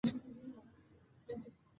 پادري بزګرانو ته د عبادت لارښوونه کوي.